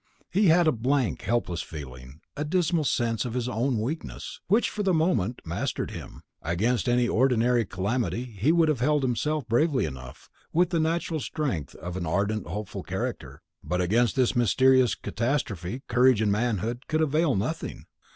He had a blank helpless feeling, a dismal sense of his own weakness, which for the moment mastered him. Against any ordinary calamity he would have held himself bravely enough, with the natural strength of an ardent hopeful character; but against this mysterious catastrophe courage and manhood could avail nothing.